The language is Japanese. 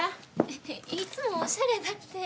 えっいつもおしゃれだって。